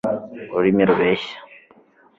ururimi rubeshya